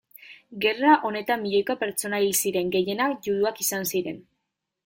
Gerra honetan milioika pertsona hil ziren, gehienak juduak izan ziren.